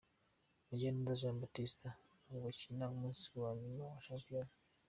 Mugiraneza Jean Baptiste ntabwo akina umunsi wa nyuma wa shampiyona.